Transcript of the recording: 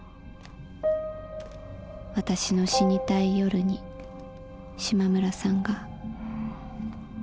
私の死にたい夜に島村さんが」。